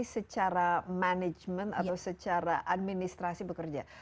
secara manajemen atau secara administrasi bekerja